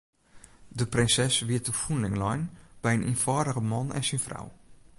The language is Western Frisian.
De prinses wie te fûnling lein by in ienfâldige man en syn frou.